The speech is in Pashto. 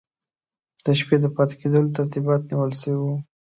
د شپې د پاته کېدلو ترتیبات نیول سوي وو.